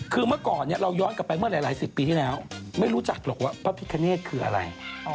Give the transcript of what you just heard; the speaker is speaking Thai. คือเมื่อก่อนเราย้อนกลับไปเมื่อหลายสิบปีที่แล้วไม่รู้จักหรอกว่าพระพิคเนธคืออะไร